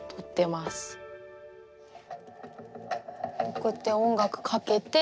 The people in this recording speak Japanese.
こうやって音楽かけて。